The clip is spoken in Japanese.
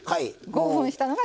５分たったのが。